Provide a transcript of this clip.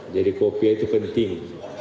jadi kopiah itu penting